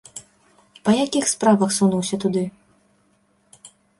Па якіх справах сунуўся туды?